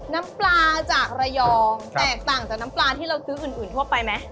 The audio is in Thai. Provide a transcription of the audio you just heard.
น้ำปลาจากระยองแตกต่างจากน้ำปลาที่เราซื้ออื่นทั่วไปไหม